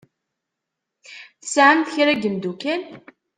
Tesɛamt kra n yemddukal?